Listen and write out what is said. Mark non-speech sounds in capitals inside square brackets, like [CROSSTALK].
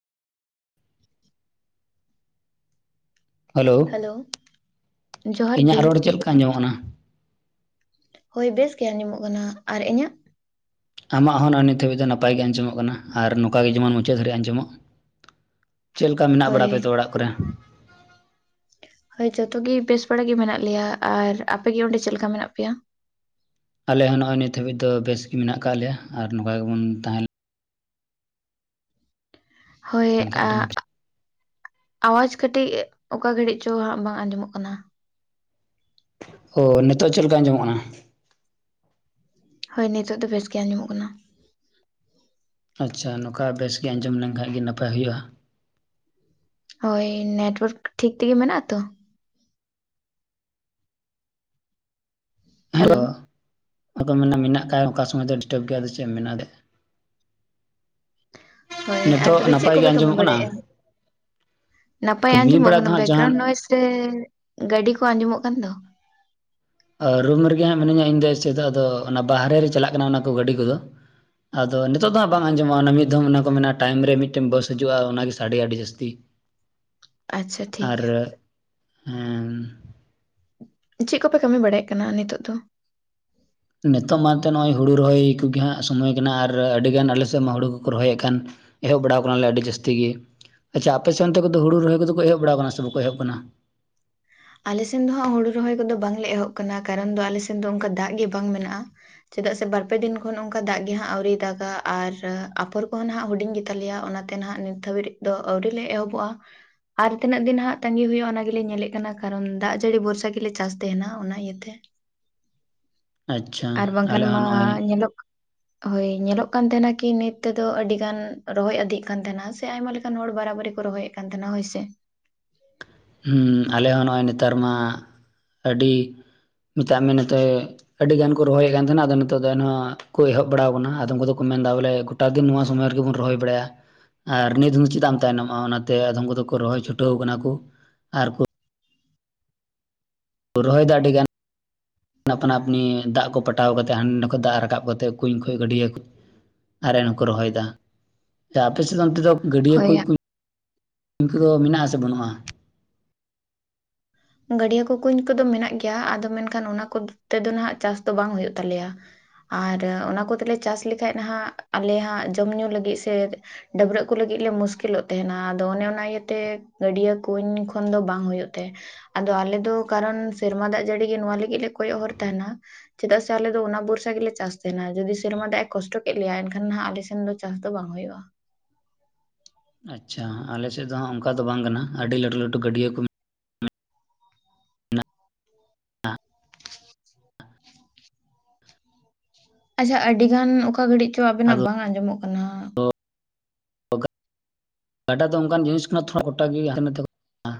Hello ᱡᱚᱦᱟᱨ ᱤᱧᱟᱹᱜ ᱜᱮ ᱨᱚᱲ ᱪᱮᱫ ᱞᱮᱠᱟ ᱟᱸᱡᱚᱢᱚᱜ ᱠᱟᱱᱟ? ᱦᱳᱭ ᱵᱮᱥ ᱜᱮ ᱟᱸᱡᱚᱢᱚᱜ ᱠᱟᱱᱟ ᱟᱨ ᱤᱧᱟᱹᱜ? ᱟᱢᱟᱜ ᱦᱚᱸ ᱱᱚᱜ-ᱚᱭ ᱱᱤᱛᱚᱜ ᱦᱟᱹᱵᱤᱡ ᱫᱚ ᱱᱟᱯᱟᱭ ᱜᱮ ᱟᱸᱡᱚᱢᱚᱜ ᱠᱟᱱᱟ ᱟᱨ ᱱᱚᱝᱠᱟ ᱜᱮ ᱡᱮᱢᱚᱱ ᱢᱩᱪᱟᱹᱫ ᱫᱷᱟᱹᱨᱤᱡ ᱟᱸᱡᱚᱢᱚᱜ᱾ ᱪᱮᱫ ᱞᱮᱠᱟ ᱢᱮᱱᱟᱜ ᱦᱳᱭ ᱵᱟᱲᱟ ᱯᱮ ᱛᱚ ᱚᱲᱟᱜ ᱠᱚᱨᱮ? ᱦᱳᱭ ᱡᱷᱚᱛᱚ ᱜᱮ ᱵᱮᱥ ᱵᱟᱲᱟ ᱜᱮ ᱢᱮᱱᱟᱜ ᱞᱮᱭᱟ᱾ ᱟᱨ ᱟᱯᱮ ᱜᱮ ᱚᱸᱰᱮ ᱪᱮᱫ ᱞᱮᱠᱟ ᱢᱮᱱᱟᱜ ᱯᱮᱭᱟ? ᱟᱞᱮ ᱦᱚᱸ ᱱᱚᱜᱼᱚᱭ ᱱᱤᱛ ᱦᱟᱹᱵᱤᱡ ᱫᱚ ᱵᱮᱥ ᱜᱮ ᱢᱮᱱᱟᱜ ᱟᱠᱟᱫ ᱞᱮᱭᱟ ᱟᱨ ᱱᱚᱝᱠᱟ ᱜᱮᱵᱚᱱ ᱛᱟᱦᱮᱸ ᱦᱳᱭ ᱞᱮᱱᱠᱷᱟᱱ ᱟᱹᱰᱤ ᱟᱻ ᱱᱟᱯᱟᱭ ᱟᱣᱟᱡ ᱠᱟᱹᱴᱤᱡ ᱚᱠᱟ ᱜᱷᱟᱹᱲᱤᱡ ᱪᱚ ᱦᱟᱸᱜ ᱵᱟᱝ ᱟᱸᱡᱚᱢᱚᱜ ᱠᱟᱱᱟ᱾ ᱳ ᱱᱤᱛᱚᱜ ᱪᱮᱫ ᱞᱮᱠᱟ ᱟᱸᱡᱚᱢᱚᱜ ᱠᱟᱱᱟ? ᱦᱳᱭ ᱱᱤᱛᱳᱜ ᱫᱚ ᱵᱮᱥ ᱜᱮ ᱟᱸᱡᱚᱢᱚᱜ ᱠᱟᱱᱟ᱾ ᱟᱪᱪᱷᱟ ᱱᱚᱝᱠᱟ ᱵᱮᱥ ᱜᱮ ᱟᱸᱡᱚᱢ ᱞᱮᱱᱠᱷᱟᱡ ᱜᱮ ᱱᱟᱯᱟᱭ ᱦᱩᱭᱩᱜᱼᱟ᱾ ᱦᱳᱭ ᱱᱮᱴᱣᱟᱨᱠ ᱴᱷᱤᱠ ᱛᱮᱜᱮ ᱢᱮᱱᱟᱜ-ᱟ ᱛᱚ? ᱦᱮᱞᱳ [INAUDIBLE] ᱟᱫᱚᱢ ᱢᱮᱱᱟ ᱢᱮᱱᱟᱜ ᱠᱟᱜᱼᱟ ᱚᱠᱟ ᱥᱚᱢᱚᱭ ᱫᱚ ᱰᱤᱥᱴᱟᱵ ᱜᱮᱭᱟ ᱟᱫᱚ ᱪᱮᱫ ᱮᱢ ᱢᱮᱱᱟ ᱮᱱᱛᱮ᱾ ᱦᱳᱭ ᱟᱨ ᱱᱤᱛᱚᱜ ᱛᱚᱵᱮ ᱪᱮᱫ ᱱᱟᱯᱟᱭ ᱜᱮ ᱠᱚᱯᱮ ᱠᱟᱹᱢᱤ ᱟᱸᱡᱚᱢᱚᱜ ᱠᱟᱱᱟ ᱵᱟᱲᱟᱭᱮᱜᱼᱟ? ᱱᱟᱯᱟᱭ ᱠᱟᱹᱢᱤ ᱟᱸᱡᱚᱢᱚᱜ ᱵᱟᱲᱟ ᱠᱟᱱᱟ ᱫᱚ ᱦᱟᱸᱜ ᱵᱮᱠᱜᱨᱟᱣᱩᱱᱰ ᱡᱟᱦᱟᱸ ᱱᱚᱭᱮᱥ ᱨᱮ ᱜᱟᱹᱰᱤ ᱠᱚ ᱟᱸᱡᱚᱢᱚᱜ ᱠᱟᱱ ᱫᱚ ᱨᱩᱢ ᱨᱮᱜᱮ ᱦᱟᱸᱜ ᱢᱤᱱᱟᱹᱧᱟ ᱤᱧ ᱫᱚ ᱪᱮᱫ ᱟᱫᱚ ᱚᱱᱟ ᱵᱟᱦᱟᱨᱮ ᱨᱮ ᱪᱟᱞᱟᱜ ᱠᱟᱱᱟ ᱚᱱᱟ ᱠᱚ ᱜᱟᱹᱰᱤ ᱠᱚᱫᱚ᱾ ᱟᱫᱚ ᱱᱤᱛᱚᱜ ᱫᱚ ᱦᱟᱸᱜ ᱵᱟᱝ ᱟᱸᱡᱚᱢᱚᱜᱼᱟ ᱚᱱᱟ ᱢᱤᱫᱚᱢ ᱚᱱᱟ ᱠᱚ ᱢᱮᱱᱟ ᱴᱟᱭᱤᱢ ᱨᱮ ᱢᱤᱫᱴᱮᱱ ᱵᱟᱥ ᱦᱤᱡᱩᱜᱼᱟ ᱚᱱᱟᱜᱮ ᱥᱟᱰᱮ ᱟᱹᱰᱤ ᱡᱟᱹᱥᱛᱤ᱾ ᱟᱪᱪᱷᱟ ᱴᱷᱤᱠ ᱟᱨ ᱦᱮᱸᱻ ᱪᱮᱫ ᱠᱚᱯᱮ ᱠᱟᱹᱢᱤ ᱵᱟᱲᱟᱭᱮᱫ ᱠᱟᱱᱟ ᱱᱤᱛᱚᱜ ᱫᱚ? ᱱᱤᱛᱚᱜ ᱢᱟ ᱮᱱᱛᱮ ᱱᱚᱜᱼᱚᱭ ᱦᱩᱲᱩ ᱨᱚᱦᱚᱭ ᱠᱩᱜᱮ ᱦᱟᱸᱜ ᱥᱚᱢᱚᱭ ᱠᱟᱱᱟ ᱟᱨ ᱟᱹᱰᱤᱜᱟᱱ ᱟᱞᱮ ᱥᱮᱫ ᱢᱟ ᱦᱩᱲᱩ ᱠᱚᱠᱚ ᱨᱚᱦᱚᱭᱮᱫ ᱠᱟᱱ᱾ ᱮᱦᱚᱵ ᱵᱟᱲᱟᱣ ᱟᱠᱟᱱᱟᱞᱮ ᱟᱹᱰᱤ ᱡᱟᱹᱥᱛᱤ ᱜᱮ, ᱟᱪᱪᱷᱟ ᱟᱯᱮ ᱥᱮᱱ ᱚᱱᱛᱮ ᱠᱚᱫᱚ ᱦᱩᱲᱩ ᱨᱚᱦᱚᱭ ᱠᱚᱫᱚ ᱠᱚ ᱮᱦᱚᱵ ᱵᱟᱲᱟᱣ ᱠᱟᱱᱟ ᱥᱮ ᱵᱟᱠᱚ ᱮᱦᱚᱵ ᱠᱟᱱᱟ? ᱟᱞᱮ ᱥᱮᱱ ᱫᱚ ᱦᱟᱸᱜ ᱦᱩᱲᱩ ᱨᱚᱦᱚᱭ ᱠᱚᱫᱚ ᱵᱟᱝᱞᱮ ᱮᱦᱚᱵ ᱠᱟᱱᱟ ᱠᱟᱨᱚᱱ ᱫᱚ ᱟᱞᱮ ᱥᱮᱱ ᱫᱚ ᱚᱱᱠᱟ ᱫᱟᱜ ᱜᱮ ᱵᱟᱝ ᱢᱮᱱᱟᱜᱼᱟ᱾ ᱪᱮᱫᱟᱜ ᱥᱮ ᱵᱟᱨ ᱯᱮ ᱫᱤᱱ ᱠᱷᱚᱱ ᱚᱱᱠᱟ ᱫᱟᱜ ᱜᱮ ᱦᱟᱸᱜ ᱟᱹᱣᱨᱤᱭ ᱫᱟᱜᱟ, ᱟᱨ ᱟᱯᱷᱚᱨ ᱠᱚᱦᱚᱸ ᱱᱟᱦᱟᱜ ᱦᱩᱰᱤᱧ ᱜᱮᱛᱟᱞᱮᱭᱟ ᱚᱱᱟ ᱛᱮ ᱱᱟᱦᱟᱜ ᱱᱤᱛ ᱫᱷᱟᱹᱵᱤᱨᱤᱡ ᱫᱚ ᱟᱹᱣᱨᱤ ᱞᱮ ᱮᱦᱚᱵᱚᱜᱼᱟ ᱟᱨ ᱛᱤᱱᱟᱹᱜ ᱫᱤᱱ ᱦᱟᱸᱜ ᱛᱟᱹᱜᱤ ᱦᱩᱭᱩᱜᱼᱟ ᱚᱱᱟᱜᱮᱞᱮ ᱧᱮᱞᱮᱜ ᱠᱟᱱᱟ᱾ ᱠᱟᱨᱚᱱ ᱫᱟᱜ ᱡᱟᱹᱲᱤ ᱵᱷᱚᱨᱥᱟ ᱜᱮᱞᱮ ᱪᱟᱥ ᱛᱟᱦᱮᱱᱟ ᱚᱱᱟ ᱤᱭᱟᱹᱛᱮ᱾ ᱟᱪᱪᱷᱟ ᱟᱨ ᱵᱟᱝᱠᱷᱟᱱ ᱟᱞᱮ ᱢᱟ ᱦᱚᱸ ᱱᱚᱜᱼᱚᱭ ᱧᱮᱞᱚᱜ ᱦᱳᱭ ᱧᱮᱞᱚᱜ ᱠᱟᱱ ᱛᱮᱦᱮᱱᱟ ᱠᱤ ᱱᱤᱛ ᱛᱮᱫᱚ ᱟᱹᱰᱤ ᱜᱟᱱ ᱨᱚᱦᱚᱭ ᱟᱹᱫᱦᱤᱜ ᱠᱟᱱ ᱛᱟᱦᱮᱱᱟ ᱥᱮ ᱟᱭᱢᱟ ᱞᱮ ᱠᱟᱱ ᱦᱚᱲ ᱵᱟᱨᱟᱵᱟᱨᱤ ᱠᱚ ᱨᱚᱦᱚᱭᱮᱜ ᱠᱟᱱ ᱛᱟᱦᱮᱱᱟ ᱦᱳᱭ ᱥᱮ᱾ ᱦᱩᱸ ᱟᱞᱮ ᱦᱚᱸ ᱱᱚᱜᱼᱚᱭ ᱱᱮᱛᱟᱨ ᱢᱟ ᱟᱹᱰᱤ ᱢᱮᱛᱟᱜ ᱢᱮ ᱱᱚᱛᱮ ᱟᱹᱰᱤ ᱜᱟᱱ ᱠᱚ ᱨᱚᱦᱚᱭᱮᱜ ᱠᱟᱱ ᱛᱟᱦᱮᱸᱱᱟ ᱟᱫᱚ ᱱᱤᱛ ᱫᱚ ᱮᱱᱦᱚᱸ ᱠᱚ ᱮᱦᱚᱵ ᱵᱟᱲᱟᱣ ᱠᱟᱱᱟ ᱟᱫᱚᱢ ᱠᱚᱫᱚ ᱠᱚ ᱢᱮᱱᱫᱟ ᱵᱚᱞᱮ ᱠᱚᱴᱟ ᱫᱤᱱ ᱱᱚᱣᱟ ᱥᱚᱢᱚᱭ ᱨᱮᱜᱮᱵᱚᱱ ᱨᱚᱦᱚᱭ ᱵᱟᱲᱟᱭᱟ᱾ ᱟᱨ ᱱᱤᱛ ᱦᱚᱸ ᱪᱮᱫᱟᱜ ᱮᱢ ᱛᱟᱭᱱᱚᱢᱚᱜᱼᱟ ᱚᱱᱟᱛᱮ ᱟᱫᱷᱚᱢ ᱠᱚᱫᱚ ᱠᱚ ᱨᱚᱦᱚᱭ ᱪᱷᱩᱴᱟᱹᱣ ᱠᱟᱱᱟ ᱠᱩ᱾ ᱟᱨ ᱠᱩ ᱨᱚᱦᱚ ᱭᱫᱚ ᱟᱹᱰᱤ ᱜᱟᱱ ᱟᱯᱱᱟ ᱟᱯᱱᱤ ᱫᱟᱜ ᱠᱚ ᱯᱟᱴᱟᱣ ᱠᱟᱛᱮ ᱦᱟᱸᱰᱮ ᱱᱟᱰᱮ ᱠᱷᱚᱡ ᱫᱟᱜ ᱨᱟᱠᱟᱵ ᱠᱟᱛᱮᱜ ᱠᱩᱧ ᱠᱷᱚᱡ ᱜᱟᱹᱰᱤᱭᱟᱹ ᱠᱷᱚᱡ᱾ ᱟᱨᱮᱱ ᱦᱚᱸᱠᱚ ᱨᱚᱦᱚᱭ ᱫᱟ ᱟᱫᱚ ᱟᱯᱮ ᱥᱮᱜ ᱫᱚ ᱚᱱᱛᱮ ᱫᱚ ᱜᱟᱹᱰᱤᱭᱟᱹ ᱦᱳᱭ ᱠᱚ ᱠᱩᱧ ᱠᱚᱫᱚ ᱢᱮᱱᱟᱜ ᱟᱥᱮ ᱵᱟᱹᱱᱩᱜᱼᱟ? ᱜᱟᱹᱰᱤᱭᱟᱹ ᱠᱚ ᱠᱩᱧ ᱠᱚᱫᱚ ᱢᱮᱱᱟᱜ ᱜᱮᱭᱟ ᱟᱫᱚ ᱢᱮᱱᱠᱷᱟᱱ ᱚᱱᱟ ᱠᱚ ᱛᱮᱫᱚ ᱱᱟᱜ ᱪᱟᱥ ᱫᱚ ᱵᱟᱝ ᱦᱩᱭᱩᱜ ᱛᱟᱞᱮᱭᱟ᱾ ᱟᱨ ᱚᱱᱟ ᱠᱚᱛᱮᱞᱮ ᱪᱟᱥ ᱞᱮᱠᱷᱟᱡ ᱱᱟᱦᱟᱜ ᱟᱞᱮ ᱦᱟᱜ ᱡᱚᱢ ᱧᱩ ᱞᱟᱹᱜᱤᱜ ᱥᱮ ᱰᱟᱹᱵᱨᱟᱹᱜ ᱠᱚ ᱞᱟᱹᱜᱤᱫ ᱞᱮ ᱢᱩᱥᱠᱤᱞᱚᱜ ᱛᱟᱦᱮᱱᱟ ᱟᱫᱚ ᱚᱱᱮ ᱚᱱᱟ ᱤᱭᱟᱹᱛᱮ ᱜᱟᱹᱰᱭᱟᱹ ᱠᱩᱧ ᱠᱷᱚᱱ ᱫᱚ ᱵᱟᱝ ᱦᱩᱭᱩᱜ ᱛᱮ ᱟᱫᱚ ᱟᱞᱮ ᱫᱚ ᱠᱟᱨᱚᱱ ᱥᱮᱨᱢᱟ ᱫᱟᱜ ᱡᱟᱹᱲᱤ ᱜᱮ ᱱᱚᱣᱟ ᱞᱟᱹᱜᱤᱫ ᱞᱮ ᱠᱚᱭᱚᱜ ᱦᱚᱨ ᱛᱟᱦᱮᱱᱟ ᱪᱮᱫᱟᱜ ᱥᱮ ᱟᱞᱮ ᱫᱚ ᱚᱱᱟ ᱵᱚᱨᱥᱟ ᱜᱮᱞᱮ ᱪᱟᱥ ᱛᱟᱦᱮᱱᱟ, ᱡᱩᱫᱤ ᱥᱮᱨᱢᱟ ᱫᱟᱜ ᱮ ᱠᱚᱥᱴᱚ ᱠᱮᱫ ᱞᱮᱭᱟ ᱮᱱᱠᱷᱟᱱ ᱱᱟᱜ ᱟᱞᱮᱥᱮᱱ ᱫᱚ ᱪᱟᱥ ᱫᱚ ᱵᱟᱝ ᱦᱩᱭᱩᱜᱼᱟ ᱾ ᱟᱪᱪᱷᱟ, ᱟᱞᱮᱥᱮᱫ ᱫᱚ ᱦᱟᱜ ᱚᱱᱠᱟ ᱫᱚ ᱵᱟᱝ ᱠᱟᱱᱟ, ᱟᱹᱰᱤ ᱞᱟᱹᱴᱩ ᱞᱟᱹᱴᱩ ᱜᱟᱹᱰᱭᱟᱹ ᱠᱚ [INAUDIBLE] ᱟᱪᱪᱷᱟ ᱟᱹᱰᱤ ᱜᱟᱱ ᱚᱠᱟ ᱜᱷᱟᱹᱲᱤᱡ ᱪᱚ ᱟᱫᱚ ᱟᱵᱮᱱᱟᱜ ᱵᱟᱝ ᱟᱸᱡᱚᱢᱚᱜ ᱠᱟᱱᱟ ᱦᱟᱸᱜ ᱾ ᱜᱟᱰᱟ ᱫᱚ ᱚᱱᱠᱟᱱ ᱡᱤᱱᱤᱥ ᱠᱟᱱᱟ ᱛᱷᱚᱲᱟ ᱜᱚᱴᱟ ᱜᱮ ᱦᱟᱱᱛᱮ ᱱᱟᱛᱮ